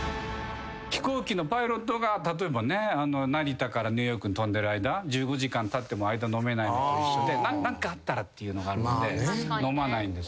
飛行機のパイロットが例えばね成田からニューヨークに飛んでる間１５時間たっても間飲めないのと一緒で何かあったらっていうのがあるので飲まないんですけど。